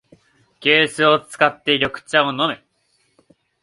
急須を使って緑茶を飲む